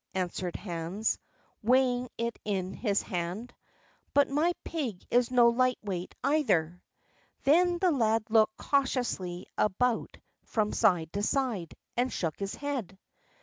answered Hans, weighing it in his hand; "but my pig is no light weight, either." Then the lad looked cautiously about from side to side, and shook his head.